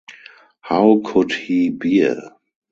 How could he bear!